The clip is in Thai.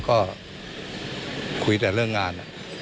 ก็คุยแต่เรื่องงาน